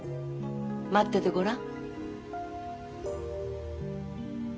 待っててごらん。